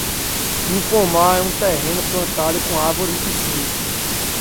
Um pomar é um terreno plantado com árvores de fruto.